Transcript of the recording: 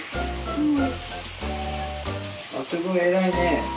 うん。